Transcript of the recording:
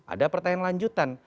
ada pertanyaan lanjutan